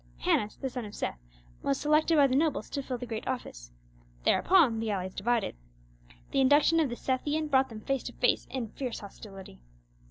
Hannas, the son of Seth, was selected by the nobles to fill the great office; thereupon the allies divided. The induction of the Sethian brought them face to face in fierce hostility.